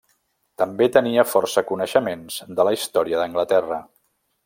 També tenia força coneixements de la història d'Anglaterra.